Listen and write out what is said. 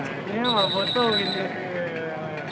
menaklukan dengan perhatian yang baik